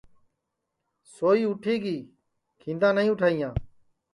سوئی اُٹھی گی کھیندا نائی اُٹھائیاں